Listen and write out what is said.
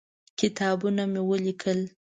کتابونه مې ولیکل.